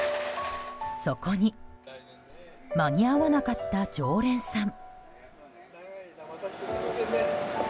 そこに間に合わなかった常連さん。